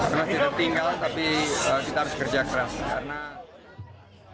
semakin tinggal tapi kita harus kerja keras